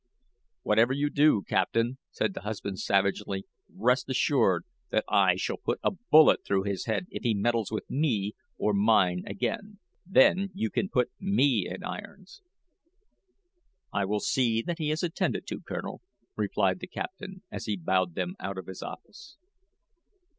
"Whatever you do, captain," said the husband, savagely, "rest assured that I shall put a bullet through his head if he meddles with me or mine again. Then you can put me in irons." "I will see that he is attended to, colonel," replied the captain as he bowed them out of his office.